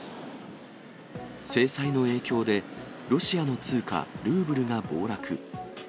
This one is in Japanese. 制裁の影響で、ロシアの通貨ルーブルが暴落。